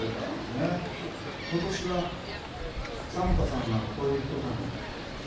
今年は、サンタさんは恋人なの？